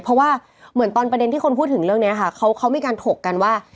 เพราะว่าเหมือนตอนประเด็นที่คนพูดถึงเรื่องนี้ค่ะเขามีการถกกันว่า